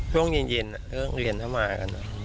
ช่วงเย็นเด็กนักเรียนจะมากัน